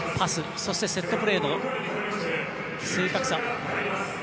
そしてセットプレーの正確さ。